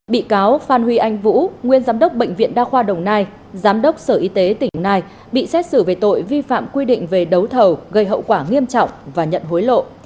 bị cáo phan huy anh vũ nguyên giám đốc bệnh viện đa khoa đồng nai giám đốc sở y tế tỉnh này bị xét xử về tội vi phạm quy định về đấu thầu gây hậu quả nghiêm trọng và nhận hối lộ